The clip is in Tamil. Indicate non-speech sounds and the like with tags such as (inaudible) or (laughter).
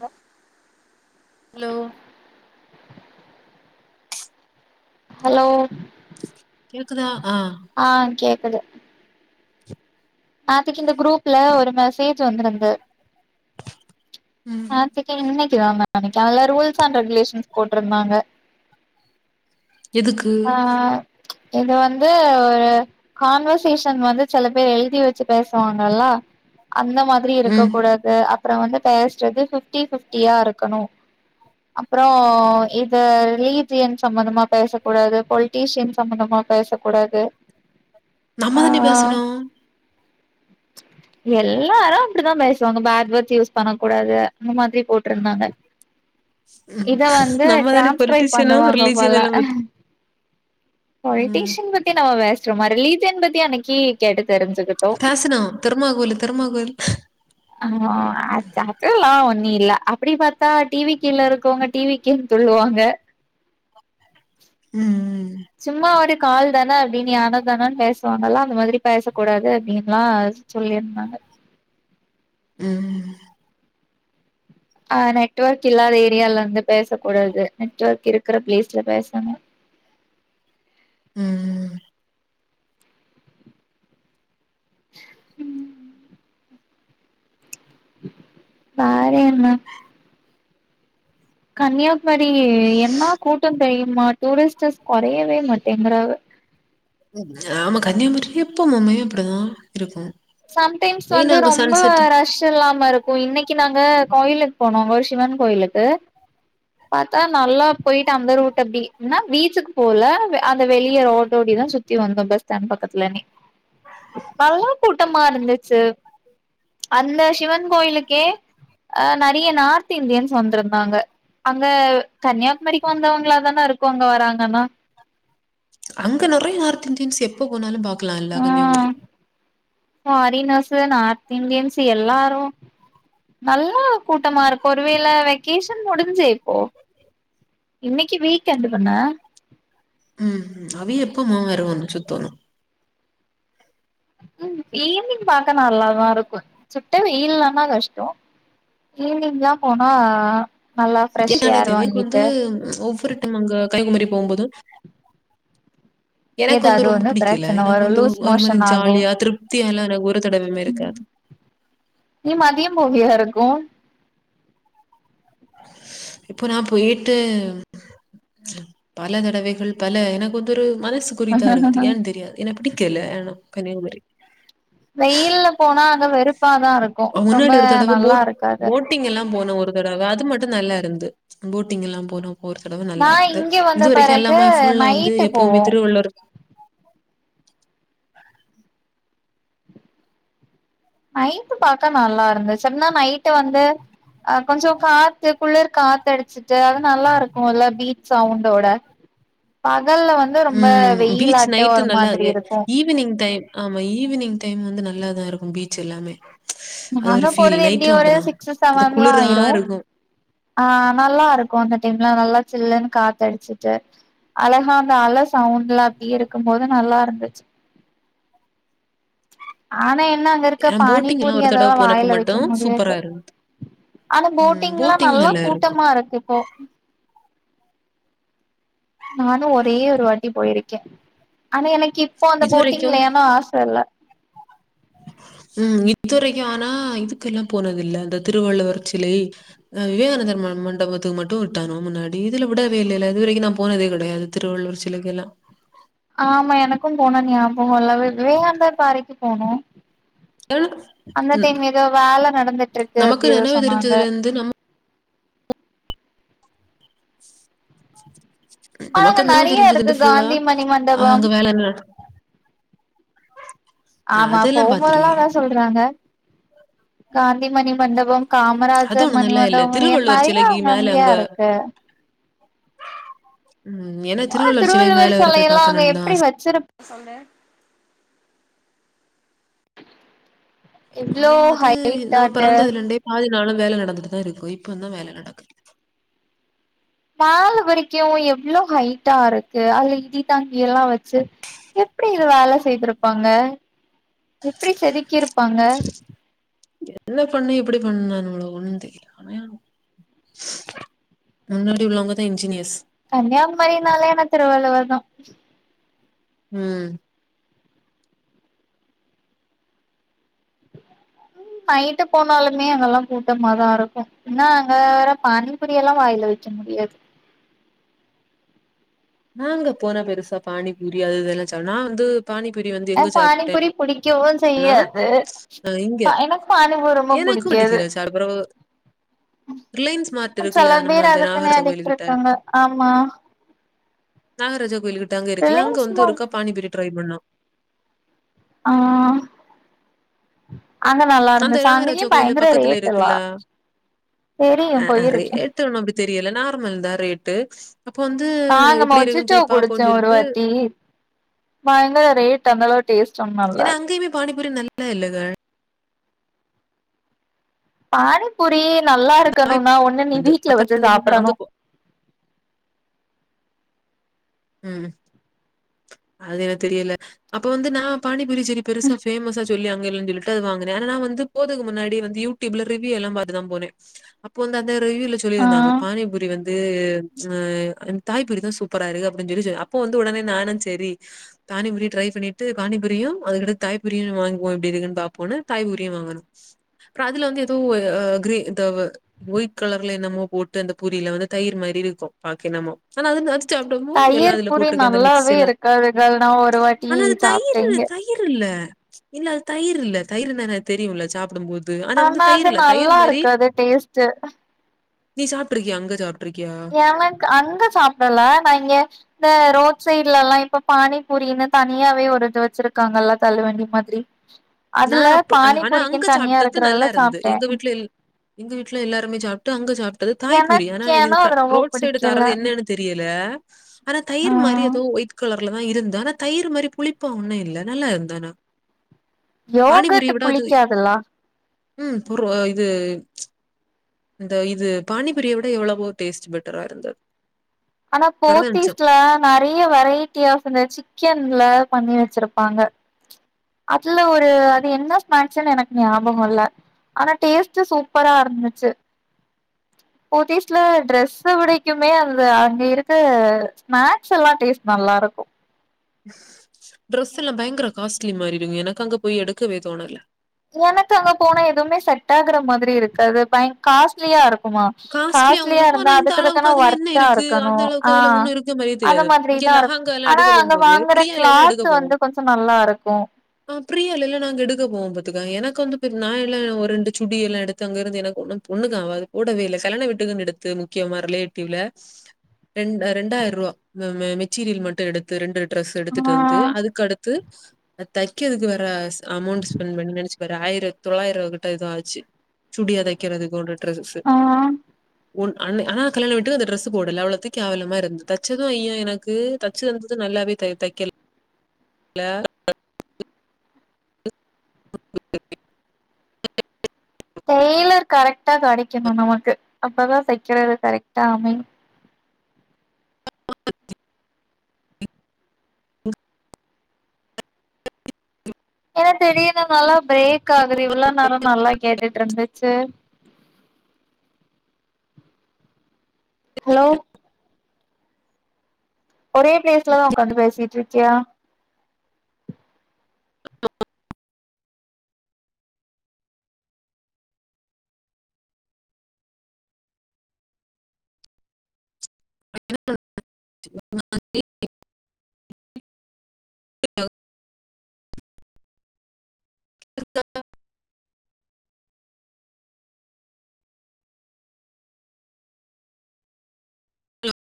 ஹ ஹலோ ஹலோ கேக்குதா ஆஹ் ஆஹ் கேக்குது நேத்துக்கு இந்த குரூப்ல ஒரு மெசேஜ் வந்திருந்தது ம் இன்னைக்குதான் நினைக்கேன் அதல்ல ரூல்ஸ் அண்ட் ரெகுலேஷன்ஸ் போட்டிருந்தாங்க எதுக்கு ஆ இது வந்து ஒரு கான்வர்சேஷன் வந்து சில பேர் எழுதி வச்சு பேசுவாங்கல்ல அந்த மாதிரி இருக்க ம் கூடாது அப்புறோ வந்து பேசுறது ஃபிப்டி ஃபிப்டியா இருக்கணு அப்றோ இத ரிலீஜியன் சம்பந்தமா பேசக்கூடாது பொலிட்டிஷியன் சம்பந்தமா பேசக் கூடாது நம்ம தான்டி பேசணு எல்லாரு அப்டிதா பேசுவாங்க பேட்வேட்ஸ் யூஸ் பண்ணக் கூடாது அந்த மாதிரி போட்டு இருந்தாங்க உம் நம்ம தான பொலிட்டிஷியனோ பண்ணுவாங்க ரிலிஜியன் எல்லா ம் பொலிட்டிஷியன் பத்தி நம்ம பேஸ சும்மா ரிலீஜ்ஷியன் பத்தி அன்னைக்கு கேட்டது தெரிஞ்சுக்கிட்டோ பேசணு தெர்மாகோலு தெர்மாகோல் ஆ அது அதெல்லா ஒன்னு இல்ல அப்டி பாத்தா டி வி கேல இருக்கவங்க டி வி கே ன்னு சொல்லுவாங்க உம் உம் சும்மா ஒரு கால் தான அப்டின்னு ஏனோ தானேனு பேசுவாங்கல்லா அந்த மாதிரில்லா பேசக்கூடாது அப்டின்ல்லா சொல்லியிருந்தாங்க உம் ஆ நெட்வொர்க் இல்லாத ஏரியால இருந்து பேசக்க கூடாது நெட்வொர்க் இருக்கற பிளேஸ்ல பேசணு உம் உம் உம் வேற என்னா கன்னியா குமரி என்னா கூட்டம் தெரியுமா டூரிஸ்டர்ஸ் கொறயவே மாட்டேங்கறது அப்ப மம்மையு அப்டி தா இருக்கு சம்டைம்ஸ் மெயினா வந்து அங்க ரொம்ப சன்செட் ரஷ் இல்லாம இருக்கு இன்னைக்கு நாங்க அங்க கோயிலுக்கு போனங்க சிவன் கோயிலுக்கு பாத்தா நல்லா போயிட்டு அந்த ரூட்டு அப்டி ன்னா பீச்சுக்கு போல அந்த வெளிய ரோட்டடிதா சுத்தி வந்தோ பஸ் ஸ்டாண்ட் பக்கத்துலேனே நல்லா கூட்டமா இருந்துச்சு அந்த சிவன் கோயிலுக்கே அ நெறய நார்த் இந்தியன்ஸ் வந்திருந்தாங்க அங்க கன்னியாகுமரிக்கு வந்தவங்களாதானே இருக்கு அங்க வராங்கன்னா அங்க நெறைய நார்த் இந்தியன்ஸ் எப்ப போனாலு பா க்கல்லா எல்லா கன்னியாகுமாரி ஃபாரினர்ஸு நார்த் இந்தியன்ஸு எல்லாரு நல்லா கூட்டமா இருக்கு ஒரு வேல வெக்கேஷன் முடுஞ்சு இப்போ இன்னைக்கு வீக்கெண்ட்டு பண்ண உம் அவே எப்பம வரவன்னு சுத்தணு உம் ஈவினிங் பாக்க நல்லாதா இருக்கு சுட்ட வெயில் இல்லன்னா கஷ்டோ ஈவினிங் தா போனா நல்லா ஃப்ரெஷ் என்னானே ஏர் தெரிய வந்து வாங்கிட்டு ஒவ்வொரு டைம் அங்க கைக்குமரி போம்போது எனக்கு ஏதாவது வந்து ரொம்ப ஒண்ணு புடிக்குல பிரச்சன எனக்கு வரு வந்து லூஸ் ஒரு மாதிரி மோஷன் ஆகு ஜாலியா திருப்தியா எல்லா எனக்கு தடவையுமே இருக்காது நீ மதியம் போவியா இருக்கு இப்போ நான் போயிட்டு பல தடவைகள் பல எனக்கு வந்து ஒரு மனசு குறிதா இருக்குது ஏ தெரியாது என்ன பிடிக்கல ஏனா கன்னியாகுமரி வெயில்ல போனா அங்க வெறுப்ப சுமாரா தான் இருக்கும் ரொம்ப முன்னாடி ஒரு தடவ நல்லா போட் இருக்காது போட்டிங் எல்லாம் போனோம் ஒரு அது மட்டும் நல்லா இருந்து போட்டிங் எல்லாம் போனோம் ஒரு தடவை நா நல்லா இங்க வந்த இது வரைக்கும் பெறகு எல்லாமே ஃபுல்ல வந்து நைட்டு எப்பவுமே போவோ திருவள்ளுவர் நைட் பாக்க நல்லா இருந்து சரினா நைட் வந்து அஹ் கொஞ்சம் காத்து குளிர் காத்து அடிச்சுட்டு அது நல்லா இருக்கும் இல்ல பீச் சவுண்டோட பகல்ல வந்து ரொம்ப உம் பீச் வெயிலாட்ட நைட்டு ஒரு நல்லா மாதிரி இருக்கு ஈவினிங் டைம் ஆமா ஈவினிங் டைம் வந்து நல்ல நல்லாதான் இருக்கும் பீச் எல்லாமே அது நாங்க ஒரு ஃபீல். போறது நைட்டும் எப்டியும் ஒரு அப்படிதான். சிக்ஸ் இந்த செவன்லாம் குளிரா ஆயிரும் இருக்கும். ஆஹ் நல்லா இருக்கும் அந்த டைம்ல நல்லா சில்லுன்னு காத்தடிச்சுட்டு அழகா அந்த அலை சவுண்ட்ல அப்ப்டடியே இருக்கும்போது நல்லா இருந்துச்சு ஆன என் ன அங்க இருக்க நான் போட்டிங்லாம் பானிபூரி ஒரு தடவ அதெல்லாம் போனப்ப வாயில வைக்க மட்டும் முடியாது சூப்பரா இருந்தது. ஆன போட்டிங் எல்லாம் நல்லா கூட்டமா இருக்கு இப்போ நானும் ஒரே ஒரு வாட்டி போயிருக்கேன் ஆனா எனக் இப்போ அந்த இதுவரைக்கும் போட்டிங்லையானா ஆச இல்ல உஹம் இதுவரைக்கும் ஆனா இதுக்க எல்லாம் போனத இல்லை இந்த திருவள்ளுவர் சிலை விவேகானந்தர் மண்டபத்துக்கு மட்டும் விட்டனும் முன்னாடி இதுல விடவே இல்ல இதுவரைக்கும் நான் போனதே கிடையாது திருவள்ளுவர் சிலைக்கு எல்லாம் ஆமா எனக்கும் போனும் ஞாபகம்ல்ல விவேகாந்தா பாறைக்கு போனோம் அந்த ம். டைம் ஏதோ வேல நடந்துட்டுருக்கு நமக்கு அப்புடி ஏதோ நினைவு சொன்னாங்க தெரிஞ்சதுலேருந்து நம்ம (inaudible) ஆங்க நமக்கு என்ன நிறைய தெரிஞ்சது இருக்கு வந்து ஃபுல்லா காந்தி மணி அஹ் மண்டபம் அங்க வேலை நட- ஆஹ் ஆமா அதெல்லாம் பாத்துருக்கேன் போகும்போதெல்லாம்த சொல்றாங்க காந்திமணி மண்டபம் அது காமராஜர் ஒண்ணும் நல்லா இல்ல மணிமண்டபம் திருவள்ளுவர் நெறையா சிலைக்கு அங்கங்க மேல அங்கங்கயா அங்க இருக்கு ம் ஏன்னா ஆனா திருவள்ளூர்ச்சிலை மேல வேற போய் பாக்கணும்னு தான் ஆச சொல்லு இவ்ளோ ஆனா அது நம்ம ஹைட்டாட்டு பொறந்ததுல இருந்தே பாதி னாலும் வேலை நடந்துட்டுதான் இருக்கும் இப்பந்தான் வேலை நடக்குது மாலை பறிக்கவும் எவ்வளவு ஹைட்டா இருக்கு அது இடி தாங்கி எல்லாம் வச்சு எப்படி இது வேலை செய்திருப்பாங்க எப்டி செதுக்கிருப்பாங்க என்ன பண்ணனும் எப்படி பண்ணனும் நம்ம (unintelligible) முன்னாடி உள்ளவங்கதா இன்ஜினியர்ஸ் கன்னியாகுமரினாலே என்ன திருவள்ளுவர்தா ம் நைட்டு போனாலுமே அங்கெல்லா கூட்டமாதா இருக்கு என்னா அங்க வேற பானிபுரியல்லா வாயில வக்க முடியாது நாங்க போனா பெருசா பானிபூரி அது இதெல்லா சாப் நா வந்து பானிபூரி வந்து எங்க எனக்கு சாப்பிட்டே பானிபூரி புடிக்கவு இன்னா செய்யாது இங்க எனக்கு பானிபூரி ரொம்ப எனக்கு படிக்க புடிக்காது (unintelligible) ரிலன்ஸ் மார்ட் இருக்குல்ல சில நம்ம பேர் அ அதுக்குன்னே நாகராஜா அடிக்ட் கோயிலுகிட்ட இருக்காங்க ஆமா நாகராஜா கோயிலுகிட்ட ரிலையன்ஸ் அங்க மால் இருக்க பானிபூரி ட்ரை பண்ணலா ஆ அங்க நல்லா அந்த இருந்துச்சு அங்கயு நாகராஜா கோயிலு பயங்கர பக்கத்துல ரேட் எல்லா இருக்குல்ல தெரியு அ அ போயிருக்கே ரேட்டு ஒன்னு அப்பிடி தெரியல நார்மல்தா ரேட்டு அப்ப வந்து நா இந்த எப்படி இருக்குன்னு மொஜிட்டோ சொல்லி குடிச்சோ பாப்போம்ன்னு ஒரு சொல்லிட்டு வாட்டி பயங்கர ரேட் அந்தளவு டேஸ்ட் ஒன்னு இல்ல இல்ல இல்ல க பானிபூரி நல்லா நான் இருக்கணுனா ஒன்னு நீ வீட்ல அப்ப வச்சு வந்து முன்ன அங்க சாப்பிடனு போ ம் அது என்ன தெரியல அப்ப வந்து நா பானி பூரி செரி பெருசா ஃபேமஸ் ஆச் தோழி அங்க இல்லனு சொல்லிட்டு அது வாங்னே ஆனா நா வந்து போதுக்கு முன்னாடியே வந்து யூடியுப்ல ரிவியூ எல்லா பாத்துதா போனே இப்ப வந்து அ த ரிவியூல சொல்லிருந்தாங்க ஆ பானிப்பூரி வந் து அ தாய்பூரிதா சூப்பரா இருக்கு தா சொல்லிசோ அப்ப வந்து உடனே நானு சேரி தானிப்பூரி ட்ரை பண்ணிட்டு பானிப்பூரியு அதுகூட தாய்பூரியு வாங்குகோம் எப்பிடி இருக்குனு பாப்போன்னு தாய்பூரியு அப்புறோ அதுல வந்து எதோ கிரேதவ ஒய்ட் கலர்ல என்னமோ போட்டு அந்த பூரில வந்து தயிர் மாரி இருக்கு பாக்க என்னமோ ஆனா அது நா சாப் தயிர் பூரி நல்லாவே இருக்காதுகள் நா ஒரு வாட்டி ஆனா அது சாப்ட்டே தயிரு இங்க தயிர் இல்ல. இல்ல அது தயிர் இல்ல தயிர் இருந்தா தெரியுல்ல சாப்பிடும் போது ஆனா அது நல்லா இருக்காது டேஸ்ட்டு நீ சாப்ட்டு இருக்கியா அங்க சாப் எனக்கு அங்க சாப்பிடல நா இங்க இந்த ரோட் சைட்ல எல்லா இப்ப பானிபூரினு தனியாவே ஒருது வச்சிருக்காங்கல்லா தள்ளு வண்டி மாதிரி நா அதுல அப்பு ஆனா அங்க பானிபூரிக்குன்னு தனியா சாப்ட்டது நல்லா இருக்கறதுல இருந்து சாப்ட்டே எங்க வீட்ல எங்க வீட்ல எல்லாருமே சாப்ட்டு அங்க சாப் ட்டது தாய்பூரி ஆனா இது எனக்கேனோ க அது ரொம்ப ரோட் சைடு புடிக்கல தரது என்னென்னு தெரில ஆனா தயிர் மாரி ம் எதோ ஒயிட் கலர் ப்புலதா இருந்தா ஆனா தயிர் மாரி புளிப்பா ஒன்னு இல்ல நல்லா இருந்தான்னா யோகட் பானிப்பூரிய விட அது புளிக்காதுல்ல ம் ஒரு இது இந்த இது பானிபூரிய விட எவ்வளவோ டேஸ்ட் பெட்டரா இருந்தது ஆனா பரதமிச்சம். போத்தீஸ்ல நெறயா வெரைட்டியா இந்த சிக்கன்ல பண்ணி வச்சிருப்பாங்க அதுல ஒரு அது என்ன ஸ்நாக்ஸ்ன்னு எனக்கு ஞாபகோ இல்ல ஆனா டேஸ்ட்டு சூப்பரா இருந்துச்சு போத்தீஸ்ல ட்ரெஸ் விடைக்குமே அந்த அங்க இருக்க ஸ்நாக்ஸ் எல்லா டேஸ்ட் நல்லா இருக்கு ட்ரெஸ் எல்லா பயங்கர காஸ்ட்லி மாதிரி இருங்க எனக்கு அங்க போய் எடுக்கவே தோணல எனக்கு அங்க போனா எதுவுமே செட் ஆகுற மாதிரி இருக்காது காஸ்லியா இருக்கு ஆமா காஸ்ட்லியாவும் காஸ்லியா இருக்கும். இருந்தா ஆனா இந்த அளவுக்கு அதுக்குக்கான அதுல என்ன ஒர்தா இருக்கு? இருக்கணு அந்த ஆ அளவுக்கு அதுல ஒண்ணும் இருக்க மாரியே அந்த தெரியாது. மாதிரி இங்க தா இரு லெஹங்கா எல்லாம் ஆனா எடுக்க அங்க போம்போது, வாங்குற பிரியால எல்லாம் எடுக்க கிளாத் வந்து கொஞ்சோ நல்லா இருக்கு பிரியாலல நாங்க எடுக்க போகும் பாத்துக்க எனக்கு வந்து நா எல்லா ஒரு ரெண்டு சுடி எல்லா எடுத்து அங்க இருந்து எனக்கு ஒன்னுக்கு ஆவாது அது போடவே இல்ல செலன வீட்டுக்குனு எடுத்து முக்கியமா ரிலேட்டிவ்ல ரெ ரெண்டாயிரம் ரூபா மெட்டீரியல் மட்டும் எடுத்து ரெண்டு ட்ரெஸ் எடுத்துட்டு ஆ வந்து அதுக்கடுத்து தக்கறுக்கு வேற அமௌண்ட் ஸ்பெண்ட் பண்ணி நெனச்சு பாரு ஆயிர தொள்ளாயிர கிட்ட இது ஆச்சு சுடியா தக்குறதுக்கு டிரஸ்சு ஆ உன் ஆனா கல்யாண வீட்டுக்கு அந்த டிரெஸ் போடல அவளத்துக்கு கேவலமா இருந்து தச்சது ஐயா எனக்கு தச்சது தந்தது நல்லாவே தக்கல இல (unintelligible) டெய்லர் கரெக்டா அடிக்கணு நமக்கு அப்பதா தக்கிறது கரெக்டா அமையு அ (unintelligible) ஏனா தெரியது நல்லா பிரேக்கா து இவ்ள நேரோ நல்லா கேட்டுட்டு இருந்துச்சு ஹலோ ஒரே பிளேஸ்லதா ஒக்காந்து பேசிட்டு இருக்கியா அ (unintelligible) இருக்க ஹலோ